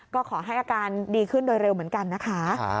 ก็ขอให้อาการดีขึ้นโดยเร็วเหมือนกันนะคะ